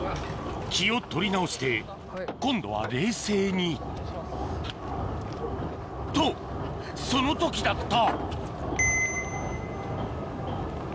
気を取り直して今度は冷静にとその時だった！